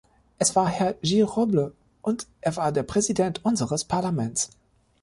Es war Herr Gil-Robles, und er war der Präsident unseres Parlaments.